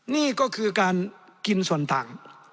นี่ก็คือการกินส่วนต่าง